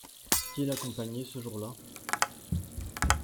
Qui l’accompagnait ce jour-là ?